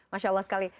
masya allah sekali